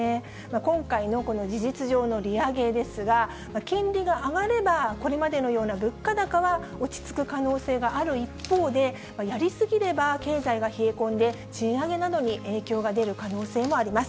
今回の事実上の利上げですが、金利が上がれば、これまでのような物価高は落ち着く可能性がある一方で、やり過ぎれば、経済が冷え込んで、賃上げなどに影響が出る可能性もあります。